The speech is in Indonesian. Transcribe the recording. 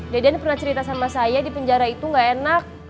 deden pernah cerita sama saya di penjara itu gak enak